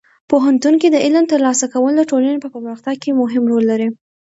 پوهنتون کې د علم ترلاسه کول د ټولنې په پرمختګ کې مهم رول لري.